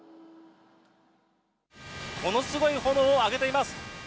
ものすごい炎を上げています。